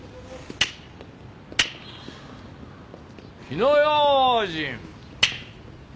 火の用心！